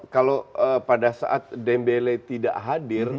kalau pada saat dembele tidak hadir